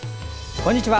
こんにちは。